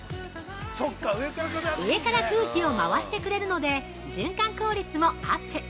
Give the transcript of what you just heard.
上から空気を回してくれるので循環効率もアップ！